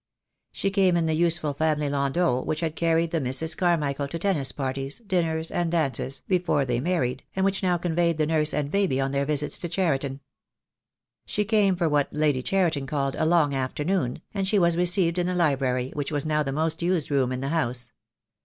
She came in the useful family landau, which had carried the Misses Carmichael to tennis parties, dinners, and dances, before they mar ried, and which now conveyed the nurse and baby on their visits to Cheriton. She came for what Lady Cheriton called a long afternoon, and she was received in the library, which was now the most used room in the house.